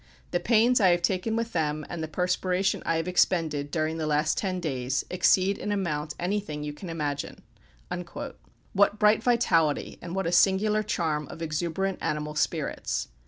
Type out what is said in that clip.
The pains I have taken with them, and the perspiration I have expended, during the last ten days, exceed in amount anything you can imagine." What bright vitality, and what a singular charm of exuberant animal spirits!